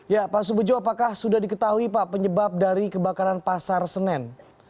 ya pak subejo apakah sudah diketahui pak penyebab dari kebakaran pasar senen